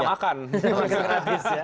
makan gratis ya